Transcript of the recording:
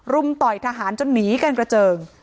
ต่อยทหารจนหนีกันกระเจิง